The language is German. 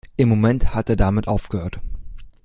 Im Moment hat er damit aufgehört!